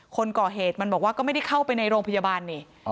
คนก่อเหตุมันบอกว่าก็ไม่ได้เข้าไปในโรงพยาบาลนี่